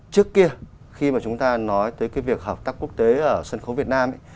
trước kia khi mà chúng ta nói tới cái việc hợp tác quốc tế ở sân khấu việt nam ấy